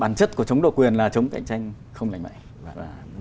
bản chất của chống độc quyền là chống cạnh tranh không lành mạnh